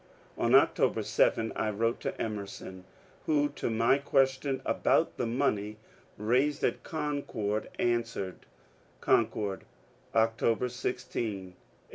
On October 7 I wrote to Emerson, who, to my question about the money raised at Concord, answered :— Concord, October 16, 1856.